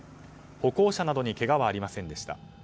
歩行者などにけがはありませんでした。